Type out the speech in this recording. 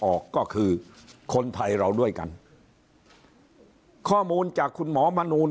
ออกก็คือคนไทยเราด้วยกันข้อมูลจากคุณหมอมนูล